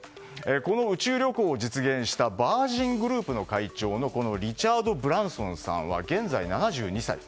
この宇宙旅行を実現したヴァージングループの会長のリチャード・ブランソンさんは現在７２歳。